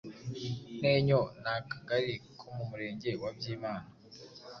Ntenyo ni akagali ko mu murenge wa Byimana,